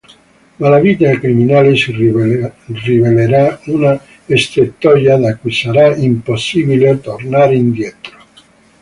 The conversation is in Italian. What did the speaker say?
Ma la vita criminale si rivelerà una strettoia da cui sarà impossibile tornare indietro.